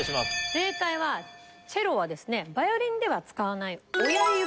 正解はチェロはバイオリンでは使わない。